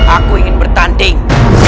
aku ingin bertanding